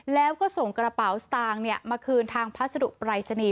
แล้วก็ส่งกระเป๋าสตางค์มาคืนทางภาษาดุปรัใชนี